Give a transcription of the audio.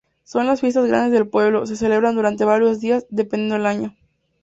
Son las fiestas grandes del pueblo, se celebran durante varios días, dependiendo del año.